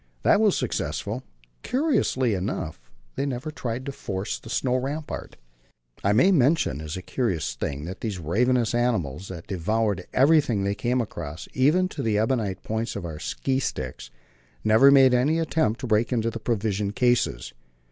That was successful; curiously enough, they never tried to force the "snow rampart." I may mention as a curious thing that these ravenous animals, that devoured everything they came across, even to the ebonite points of our ski sticks, never made any attempt to break into the provision cases.